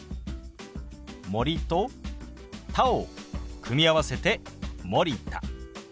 「森」と「田」を組み合わせて「森田」。